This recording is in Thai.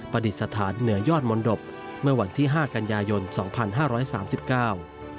ประดิษฐานเหนือยอดมนตบเมื่อวันที่ห้ากันยายนสองพันห้าร้อยสามสิบเก้า